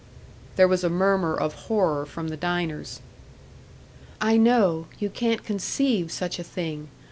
There was a murmur of horror from the diners. "I know, you can't conceive such a thing.